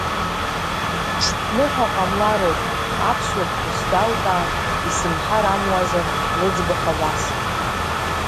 Ҽԥныҳәа ҟамлароуп, аԥсуа ԥҳәыс далкаан, исымҳәар амуазар лыӡбахә абас…